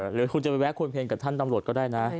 หรือคุณจะไปแวะควรเพลงกับท่านตำรวจก็ได้นะ